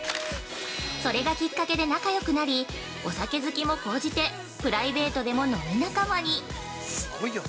それがきっかけで仲良くなり、お酒好きも高じてプライベートでも飲み仲間に。